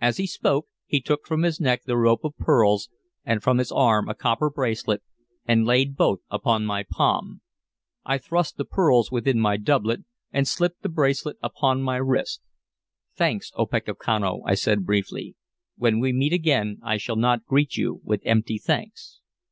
As he spoke, he took from his neck the rope of pearls and from his arm a copper bracelet, and laid both upon my palm. I thrust the pearls within my doublet, and slipped the bracelet upon my wrist. "Thanks, Opechancanough," I said briefly. "When we meet again I shall not greet you with empty thanks."